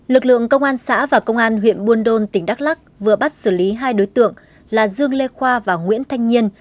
lực lượng công an xã và công an huyện buôn đôn tỉnh đắk lắc vừa bắt xử lý hai đối tượng là dương lê khoa và nguyễn thanh nhiên